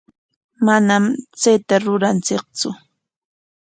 Manam chayta ruranchiktsu.